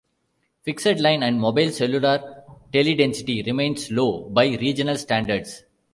Fixed-line and mobile-cellular teledensity remains low by regional standards.